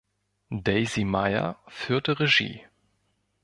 Daisy Mayer führte Regie.